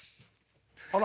あら。